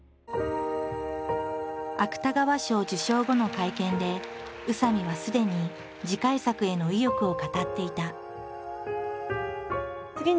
芥川賞受賞後の会見で宇佐見はすでに次回作への意欲を語っていた。